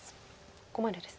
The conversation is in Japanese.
ここまでですね。